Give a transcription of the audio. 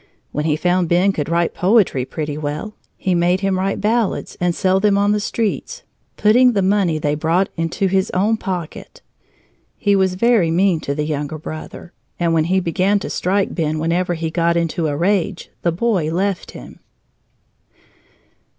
When he found Ben could write poetry pretty well, he made him write ballads and sell them on the streets, putting the money they brought into his own pocket. He was very mean to the younger brother, and when he began to strike Ben whenever he got into a rage, the boy left him.